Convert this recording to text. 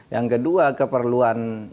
yang kedua keperluan